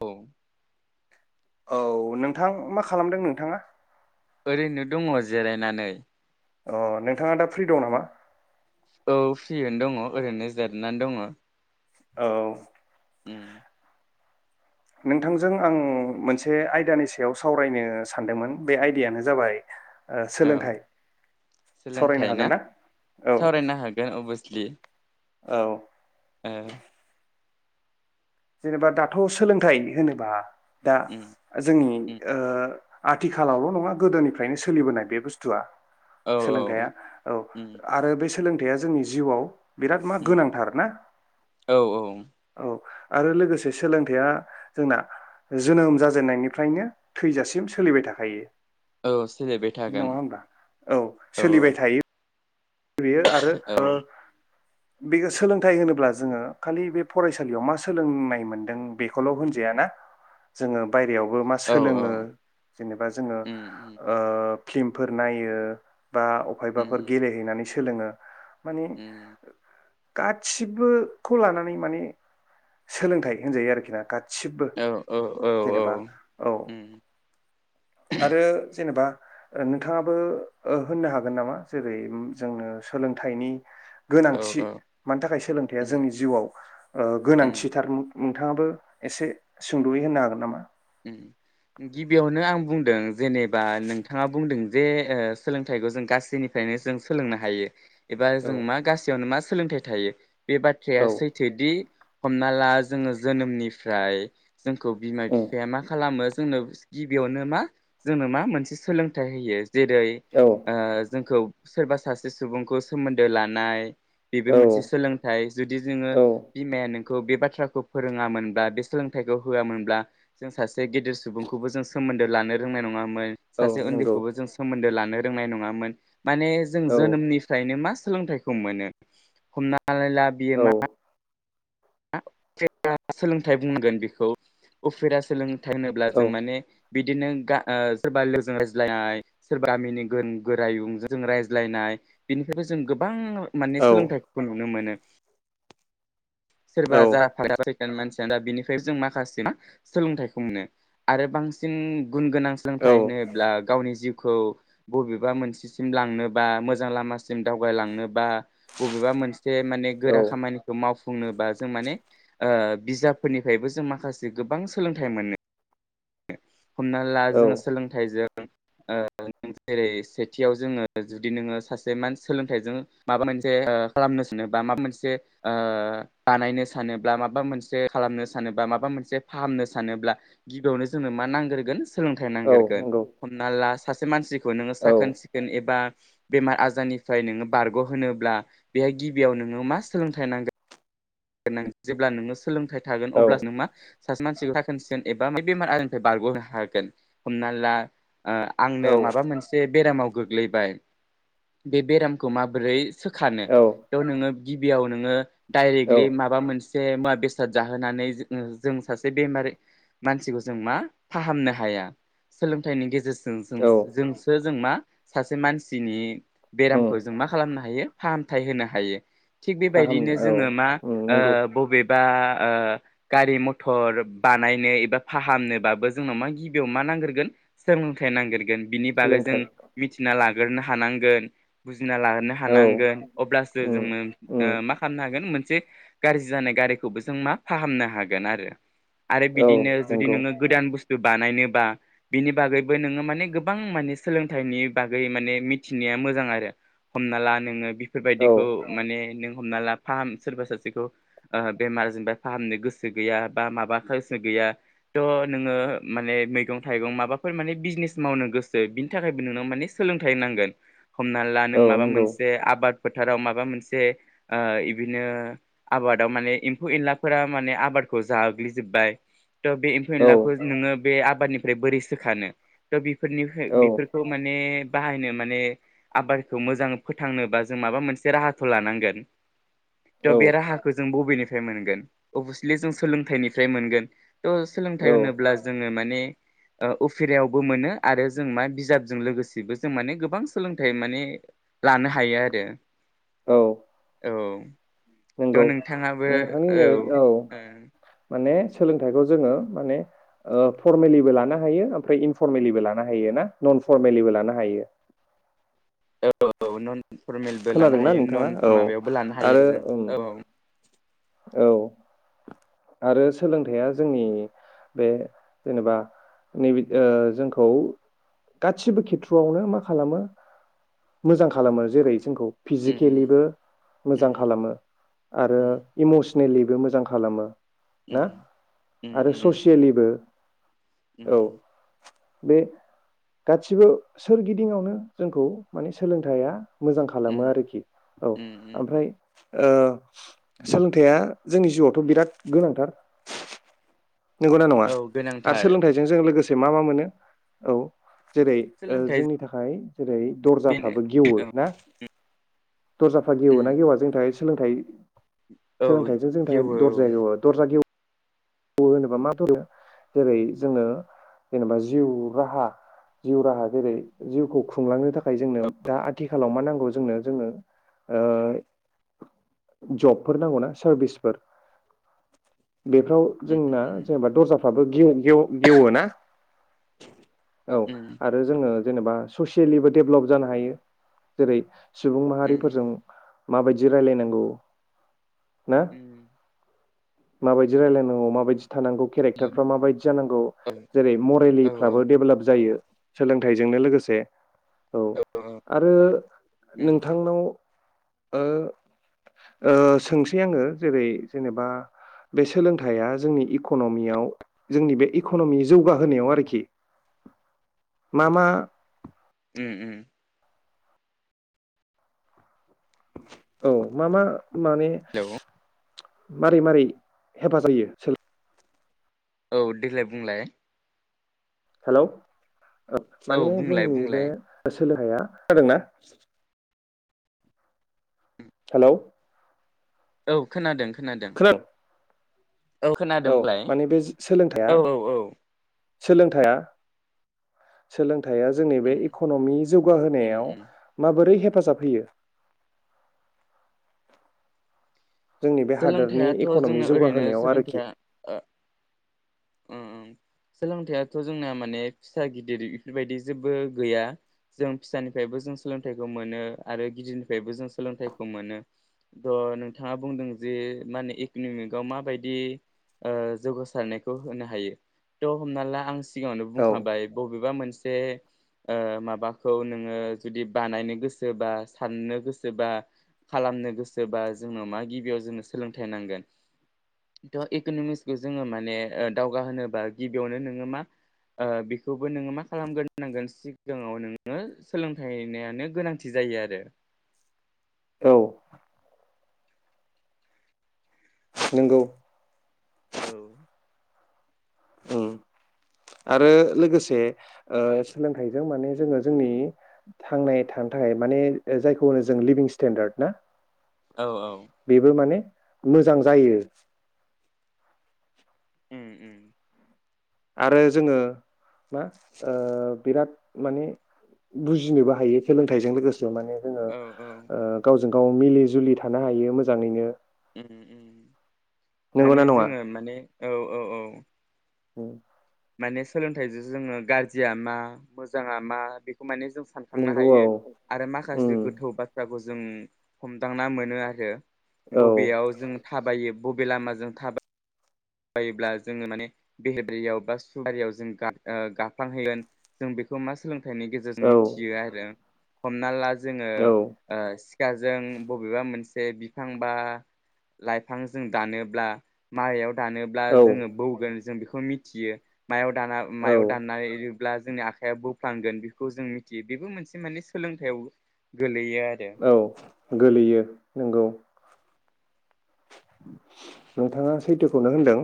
औ। औ नोंथां, मा खालामदों नोंथाङा? ओरैनो दङ जिरायनानै। अह, नोंथाङा दा फ्रि दं नामा? औ फ्रियैनो दङ ओरैनो जेरनानै दङ। औ। उम। नोंथांजों आं मोनसे आयदानि सायाव सावरायनो सानदोंमोन, बे आयदायानो जाबाय ओ औ सोलोंथाइ सावरायनो हागोन सोलोंथाइना? ना औ सावरायनो हागोन अभियासलि। औ। एह। जेनेबा दाथ' सोलोंथाइ होनोबा दा उम जोंनि उम ओ आथिखालावल' नङा गोदोनिफ्रायनो सोलिबोनाय बे बुस्थुआ। औ सोलोंथाइया औ उम आरो बे सोलोंथाइया जोंनि जिवाव बिराद मा उम गोनांथार ना? औ औ औ। आरो लोगोसे सोलोंथाइया जोंना जोनोम जाजेननायनिफ्रायनो थैजासिम सोलिबाय थाखायो। औ सोलिबाय थागोन नङा होनबा? औ सोलिबाय थायो। बेयो आरो औ ओ बे सोलोंथाइ होनोब्ला जोङो खालि बे फरायसालियाव मा सोलोंनाय मोनदों बेखौल' होनजाया ना? जोङो बायरायावबो मा औ औ सोलोङो, जेनेबा जोङो उम उम ओ फ्लिमफोर नायो, बा उम अबहायबाफोर गेलेहैनानै सोलोङो। माने उम गासिबो खौ लानानै माने सोलोंथाइ होनजायो आरोखि ना गाद सिबो औ औ औ औ जेनेबा औ। उम आरो जेनेबा ओ नोंथाङाबो ओ होननो हागोन नामा जेरै ओम जोंनो सोलोंथाइनि औ गोनांथि, औ मानि थाखाय सोलोंथाइया उम जोंनि जिवाव ओ उम गोनांथिथार? थाङाबो एसे सुंद'यै होन्नो हागोन नामा? ओम गिबियावनो आं बुंदों जेनेबा नोंथाङा बुंदों जे ओ सोलोंथाइखौ जों गासैनिफ्रायनो जों सोलोंनो हायो। एबा औ जों मा गासियावनो मा स सोलोंथाइ थायो। बे बाथ्राया औ सैथोदि हमना ला जोङो जोनोमनिफ्राय जोंखौ बिमा उम बिफ मा खालामो जोंनो गिबियावनो मा जोंनो मा मोनसे सोलोंथाइ होयो। जेरै औ ओ जोंखौ सोरबा सासे सुबुंखौ सोमोन्दो लानाय। बेबो औ मोनसे सोलोंथाइ जुदि जोङो औ बिमाया नों खौ बे बाथ्राखौ फोरोङामोनब्ला बे सोलोंथाइखौ होआमोनब्ला जों सासे गेदिर सुबुंखौबो जों सोमोन्दो लानो रोंनाय नङा मोन औ सासे नंगौ उन्दैखौबो जों सोन्दो ला थानो रोंनाय नङामोन। माने जों औ जोनोमनिफ्रायनो मास सोलोंथाइखौ मोनो हमनानै माल ला बियो औ मा फेरा सोलोंथाइ बुंगोन बेखौ उफेरा सोलों फोथायाइ होनोब्ला औ जों माने बिदिनो गा सोरबा लोगोजों रायज्लायनाय सोरबा मिनि गोन गोरायुंजों जों रायज्लायनाय बिनिफ्रायबो जों गोबां माने औ सोलोंथाइखौ नुनो मोनो। सोरबा जा मानसियानो दा बिनिफ्राय जों माखासे सोलोंथाइखौ मोनो आरो बांसिन गुन गोनां औ सोलोंथाइ होनोब्ला गावनि जिउखौ बबेबा मोनसेसिम लांनोबा मोजां लामासिम दावगलांनोबा बबेबा मोनसे माने गोरा खामानिखौ मावफ फुनोबा जों माने ओ बिजाबफोरनिफ्रायबो जों माखासे गोबां सोलोंथाइ मोनो। हमना ला औ जोङो सोलोंथाइजों ओ जेरै सेथियाव जोङो जुदि नोङो सासे मान सोलोंथाइजों माबा मोनसे खालामनो सानोबा ओ माबा मोनसे बानायनो सानोब्ला माबा मोनसे खालामनो सानोबा माबा मोनसे फाहामनो सानोब्ला गिबियावनो ज जोंनो मा नांग्रोगोन सोलोंथाइ औ नांगिरगोन नंगौ हमना लास सासे मानसिखौ नोङो औ साखोन सिखोन एबा बेमार आजारनिफ्राय नोङो बारग' होनोब्ला बेहाय गिबियाव नोङो मा सोलोंथाइ नांगोन। जेब्ला नोङो सोलोंथाइ थागोन औ अब्ला नों मा सासे मानसिखौ साखोन सिखोन एबा बेमार आजारनिफ्राय बारग'होनो हागोन हमना ला आंनो औ माबा मोनसे बेरामाव गोग्लैबाय बे बेरामखौ माबोरै सोखानो औ थ' नोङो गिबियाव नोङो डाइरेक्ट औ ग्लीन माबा मोनसे बे मुवा बेसाद जाहोनानै जों सासे बेमारि मानसिखौ जों मा फाहामनो हाया सोलोंथाइनि गेजेरजों औ जों-जों जोंसो जों मा सासे मानसिनि उम बेरामखौ जों मा खालामनो हायो? फाहामथाय होनो हायो। थिग बेबायदिनो फाहामनो औ जोङो मा उम ओ नंगौ बबे एबा ओ गारि-मथर बानायनो एबा फाहामनोबाबो जोंनाव मा गिबियाव मा नांगोन? सोलोंथाइ नांगिरगोन। बिनि बागै जों सोलोंथाइ मिथिना ला गोरनो हानांगोन जिना लानो औ हानांगोन अब्लासो उम जोंङो उम मा खालामनो हागोन? मोनसे गाज्रि जानाय गारिखौबो जों मा फाहामनो हागोन आरो। आरो औ बिदिनो जुदि नंगौ नोङो गोदान बुस्थु बानायनोबा बिनि बागैबो नोङो माने गोबां माने सोलोंथाइनि बागै माने मिथिनाया मोजां आरो, हमना ला नोङो औ बेफोरबायदिखौ माने नों हमना ला फाहाम सोरबा सासे बेखौ ओ बेमारजोंबो फाहामनो गोसो गैया, बा माबा खांसो गैया थ' नोङो माने मैगं थाइगं माबाफोर माने बिजनेस मावनो गोसो बिनि थाखायबो नोंनाव माने सोलोंथाइ नांगोन। हमना ला नों औ माबा नंगौ मोनसे आबाद फोथाराव माबा मोनसे ओ इदिनो आबादाव माने एम्फौ-एनलाफोरा माने आबादखौ जाग्लिजोबबाय तह बे एम्फौ औ एनलाखौ नोङो बे आबादनिफ्राय बोरै सोखानो थ' बे फोरनिफ्राय औ बेफोरखौ माने बाहायनो माने आबादखौ मोजाङै फोथांनोबा जों माबा मोनसे राहाखौ लानांगोन। थ' औ बेे राहाख बबेनिफ्राय मोनगोन? अभसलि जों सोलोंथाइनिफ्राय मोनगोन। थ' सोलोंथाइ औ होनोब्ला जोङो म ने उफेरायावबो मोनो आरो जों मा बिजाबजों लोगोसेबो जों माने गोबां सोलोंथाइ माने लानो हायो आरो। औ औ नंगौ थ' नोंथाङाबो नोंथांनि बे औ माने सोलोंथाइखौ जोङो माने फरमेलिबो लानो हायो ओमफ्राय इनफरमेलिबो लानो हायो ना नन फरमेलिबो लानो हायो। [unintelligible] फरमेलबो लानो खोनादोंना हायो नोंथाङा नन औ माबायावबो लानो हायो आरो जों उम औ। औ आरो सोलोंथाया जोंनि बे जेनेबा नैबे जोंखौ गासिबो खेथ्रआवनो मा खालामो मोजां खालामो जेरै जोंखौ फिजिकेलिबो मोजां खालामो आरो इमसन नेलिबो मोजां खालामो। ना आरो ससियेलिबो। औ उम। बे गासिबो सोरगिदिंआवनो जोंखौ माने सोलोंथाइया मोजां खालामो आरोखि औ ओमफ्राय ओ सोलोंथाइया जोंनि जिउआवथ' बिराद गोनांथार। नंगौना नङा आरो गोनांथार सोलोंथाइजों जों लोगोसे से मा मा मोनो औ। जेरै ओ सोलोंथाइ जोंनि थाखाय जेरै बेनो दरजाफ्राबो गेवो औ, ना? दरजाफ्रा गेवोना गेवा जोंनि थाखाय सोलोंथाइ औ सोलोंथाइजों जोंनि थाखाय जेबो औ, दरजाया गेवो दरजा गेव होनोबा [unintelligible] जेरै जोङो जेनेबा जिउ राहा जिउ राहा जेरै जिउखौ खुंलांनो थाखाय जोंनो दा आथिखालाव मा नांगौ जोंनो जोंनो ओ जबफोर नांगौना सारभिसफोर बेफोराव उ जोंना उ, जेनेबा दर्जाफ्राबो [unintelligible] गेव-गेवो ना। [inaudible] औ उ आरो जोङो जेनेबा ससियेलिबो डेभलप जानो हायो जेरै सुबुं माहारिफोरजों माबायदि रायलायनांगौ ना उम‌‌। माबायदि रायलायनांगौ? माबायदि थानांगौ केरेक्टारफ्रा माबायदि जानांगौ औ, जेरै औ, मरेलिफ्राबो डेभेलप जायो। सोलोंथाइजोंनो लोगोसे औ आरो उ, नोंथांनाव ओ ओ सोंसै आङो जेरै जेनेबा बे सोलोंथाइया जोंनि इकनमियाव जोंनि बे इक'नमि जौगाहोनायाव आरोखि मा मा? उम उम उम। औ मा मा माने हेलौ मारै मारै हेफाजाब होयो। औ देग्लाय बुंलाय हेलौ। औ माने बुंलाय जोंनि बे बुंलाय [unintelligible] हेलौ। औ खोनादों। खोनादों। खोनादों औ बुंलाय माने बे सोलोंथाइआ। औ, औ, सोलोंथाइआ। सोलोंथाइआ जोंनि उ, बे इकनमि जौगा होनायाव उ माबोरै हे हेफाजाब होयो। जोंनि बे हादोरनि सोलोंथाइयाथ' इक'नमि जोंनो ओरैनो जौगाहोनायाव आरोखि। सोलोंथाइया ओ सोलोंथाइयाथ' जोंना माने फिसा गिदिर बेफोर बायदि जेबो गैया जों फिसानिफ्रायबो जों सोलोंथाइखौ मोनो आरो गिदिरनिफ्रायबो जों सोलोंथाइखौ मोनो थह नोंथाङा बुंदों जे मा होनो इकनमिकआव माबायदि जौगासारनायखौ होनो हायो थ' हमना ला आं सिगाङावनो औ बुंखाबाय बबेबा मोन मोनसे माबाखौ नोङो जुदि बानायनो गोसोबा साननो गोसोबा खालामनो गोसोबा जोंनाव मा गिबियाव जोंनो सोलोंथाइ नांगोन थ' इकनमिक्सखौ जोङो माने दावगा होनोनोबा गिबियावनो नोङो मा बेखौबो नोङो मा खालामग्रांगोन सिगाङाव नोङो सोलोंथाइआनो गोनांथि जायो आरो। औ नोंगौ। औ। उम आरो लोगोसे सोलोंथाइजों माने जोङो जोंनि थांना थानो थाखाय माने जायखौ होनो जों लिभिं स्टेेनडार्डना औ बेबो माने। मोजां जायो। उम उम। आरो जोङो मा बिराद माने बुजिनोबो हायो सोलोंथाइजों लोगोसे। औ औ जोङो। गाव मिलि जुलि थानो हायो मोजाङैनो। [unintelligible] माने नंगौना नङा? जोङो माने औ औ औ। उम। माने सोलोंथाइजों जोङो गाज्रिया मा मोजाङा मा बेखौ जों सानखांनो नंगौ औ हायो आरो माखासे उम गोथौ बाथ्राखौ जों जों हमदांना मोनो आरो। औ बबेयाव जों थाबायो। बबे लामाजों थाबाय। योब्ला जोङो माने बेहेेरबारियाव बा सुबारियाव जों गाफांहैगोन जों बेखौ मा सोलों गेजेरजों औ मिथियो आरो हमना ला जोङो औ सिखाजों बबेबा मोनसे बिफांबा लाइफां जों दानोब्ला मा दानोब्ला औ जोङो बौगोन जों बेखौ। खौ मिथियो मायाव दाना औ मायाव दाननानै ब्ला जोंनि आखायाव बोफ्लांगोन बेखौ जों मिथियो बेबो मोनसे मान सोलोंथायाव गोलैयो औ गोलैयो नंगौ नोंथाङा सैथोखौनो होनदों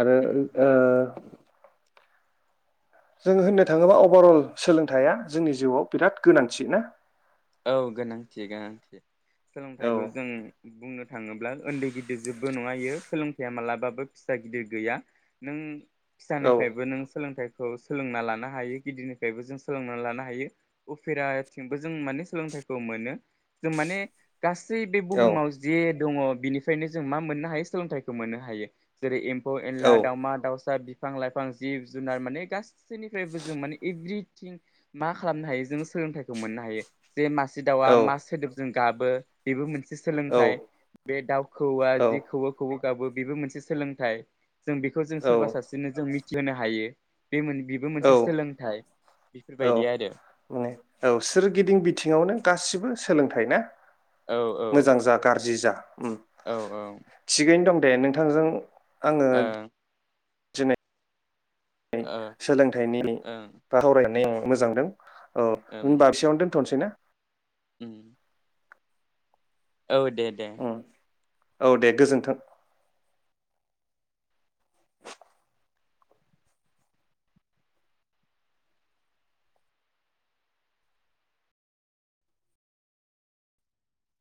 आरो ओह जोङो होननो थाङोब्ला अभारअल सोलोंथाइआ जोंनि जिउआव बिराद गोनांथि ना औ गोनांथि गोनांथि औ सोलोंथाइखौ जों बुंनो थाङोब्ला उन्दै गिदिर जोब बो नङायो सोलोंथाइया मालाबाबो फिसा गिदिर गैया नों औ फिसानिफ्रायबो नों सोलोंथाइ खौ सोलोंना लानो हायो गिदिरनिफ्रायबो जों सोलोंनानै लानो हायो उफेराथिंबो जों माने सोलोंथाइखौ मोनो जों माने गासै बे औ बुहुमाव जे दंङ बिनिफ्रायनो जों मा मोननो हायो सोलोंथाइखौ मोननो हायो जेरै एम फौ औ एनला दावमा दावसा बि बिफां-लाइफां जिब-जुनार माने गासै सैनिफ्रायबो जों माने एभ्रि थिं मा खालामनो हायो जों सोलोंथाइखौ मोननो हायो बेे मासे दाउआ औ मा सोदोबजों गाबो बेबो मोन से सोलोंथाइ बे दावखौआ औ जि खौव खौ गाबो बेबो मोनसे सोलोंथाइ जों बेखौ जों औ सोरबा सासेनो जों मिथ होनो हायो बे बेबो मोनसे औ सोलोंथाइ औ बेफोरबायदि आरो माने औ सोरगिदिं बिथिङावनो गासिबो सोलोंथाइ ना औ मोजां जा गाज्रि जा उम औ थिगैनो दं दे नोंथांजों आङो ओं दिनै ओ सोलोंथाइनि ओं बा फरायनायनि मोजांदों औ ओं ओमबासेयावनो दोनथनोसै ना उम औ दे दे औ दे गोजोन्थों।